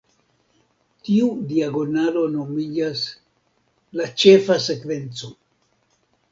Tiu diagonalo nomiĝas "la ĉefa sekvenco".